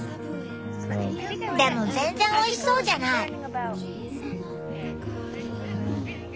でも全然おいしそうじゃない！